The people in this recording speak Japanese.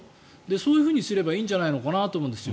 そういうふうにすればいいんじゃないかと思うんですよ。